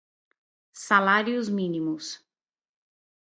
salários-mínimos